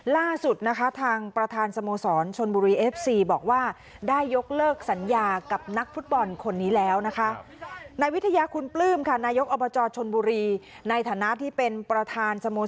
ล่าสุดทางประธานสโมสรชนบุรีเอฟซี่บอกว่า